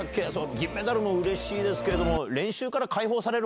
銀メダルもうれしいけど。